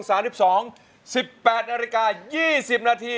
๑๘นาฬิกา๒๐นาที